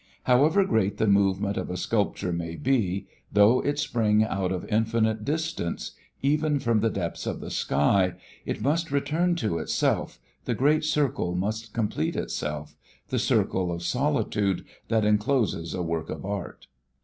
However great the movement of a sculpture may be, though it spring out of infinite distances, even from the depths of the sky, it must return to itself, the great circle must complete itself, the circle of solitude that encloses a work of art.